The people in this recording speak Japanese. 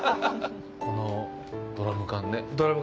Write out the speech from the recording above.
このドラム缶ね。